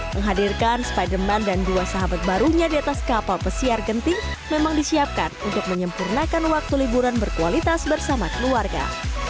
menghadirkan spiderman dan dua sahabat barunya di atas kapal pesiar genting memang disiapkan untuk menyempurnakan waktu liburan berkualitas bersama keluarga